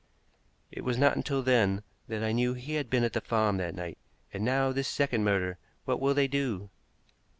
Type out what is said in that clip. It was not until then that I knew he had been at the farm that night. And now this second murder! What will they do?"